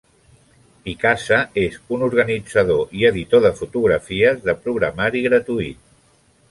Picasa és un organitzador i editor de fotografies de programari gratuït.